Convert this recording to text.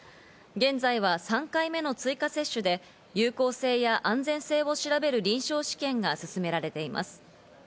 現在は３回目の追加接種で有効性や安全性を調べる臨床試験が進められています。